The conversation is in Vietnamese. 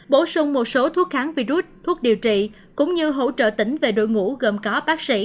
bổ sung một số thuốc kháng virus thuốc điều trị cũng như hỗ trợ tỉnh về đội ngũ gồm có bác sĩ